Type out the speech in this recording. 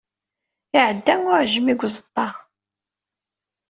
Iɛedda uɛejmi deg uẓeṭṭa.